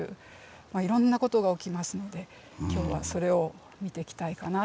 まあいろんなことが起きますので今日はそれを見ていきたいかなと。